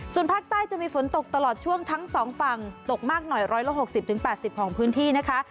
ส่วนภาคใต้จะมีฝนตกตลอดช่วงทั้งสองฝั่งตกมากหน่อย๑๖๐๘๐ของพื้นที่นะคะ